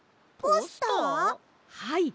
はい。